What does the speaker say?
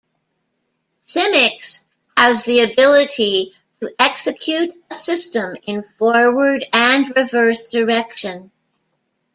Simics has the ability to execute a system in forward and reverse direction.